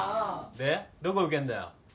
でどこ受けんだよ？